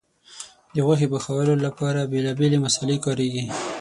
د غوښې پخولو لپاره بیلابیل مسالې کارېږي.